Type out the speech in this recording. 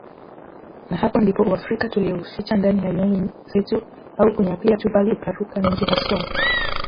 na hapo ndipo uafrika tuliouficha ndani ya nyoyo zetu haukunyapia tu bali ukaruka nje haswa